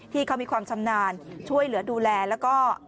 ที่เขามีความชำนาญช่วยเหลือดูแลแล้วก็